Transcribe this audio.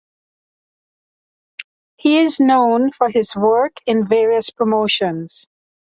He is known for his work in various promotions.